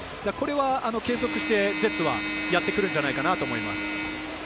これは継続してジェッツはやってくるんじゃないかなと思います。